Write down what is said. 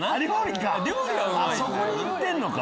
そこに行ってんのか。